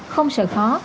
không sợ khó